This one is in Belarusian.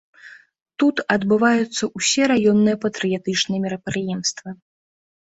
Тут адбываюцца ўсе раённыя патрыятычныя мерапрыемствы.